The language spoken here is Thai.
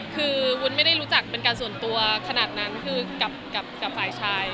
คือวุ้นไม่ได้รู้จักเป็นการส่วนตัวขนาดนั้นคือกับฝ่ายชาย